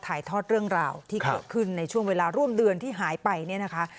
ถ่ายทอดเรื่องราวที่เกิดขึ้นในช่วงเวลาร่วมเดือนที่หายไปเนี่ยนะคะ